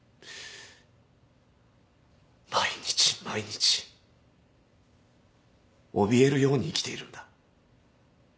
毎日毎日おびえるように生きているんだ。